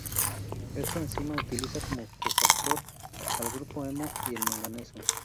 Esta enzima utiliza como cofactor al grupo hemo y al manganeso.